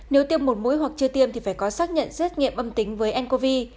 nếu tiêm một mũi hoặc chưa tiêm thì phải có xác nhận xét nghiệm âm tính với ncov